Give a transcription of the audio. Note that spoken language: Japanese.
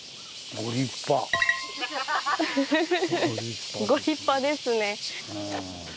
ご立派ですね。